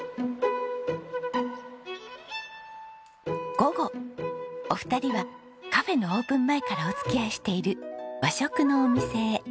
午後お二人はカフェのオープン前からお付き合いしている和食のお店へ。